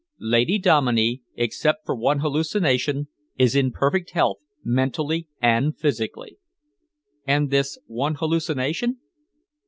Lady Dominey, except for one hallucination, is in perfect health, mentally and physically." "And this one hallucination?"